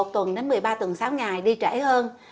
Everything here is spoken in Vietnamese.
một mươi một tuần đến một mươi ba tuần sáu ngày đi trễ hơn